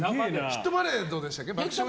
「ヒットパレード」でしたっけ？